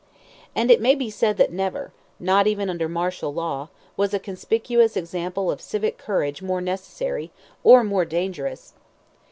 And it may be said that never, not even under martial law, was a conspicuous example of civic courage more necessary, or more dangerous.